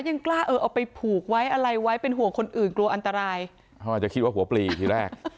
ยังกล้าเออเอาไปผูกไว้อะไรไว้เป็นห่วงคนอื่นกลัวอันตรายเขาอาจจะคิดว่าหัวปลีทีแรก